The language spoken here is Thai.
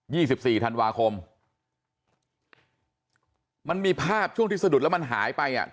สิบสี่ธันวาคมมันมีภาพช่วงที่สะดุดแล้วมันหายไปอ่ะ